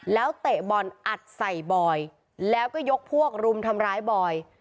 แล้วเตะบอลอัดใส่บอยแล้วก็ยกพวกรุมทำร้ายบอย